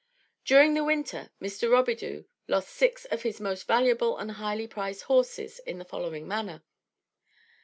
During the winter Mr. Robidoux lost six of his most valuable and high priced horses, in the following manner.